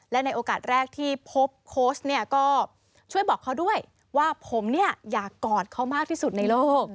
และในโอกาสแรกที่พบโค้ชเนี่ยก็ช่วยบอกเขาด้วยว่าผมเนี่ยอยากกอดเขามากที่สุดในโลก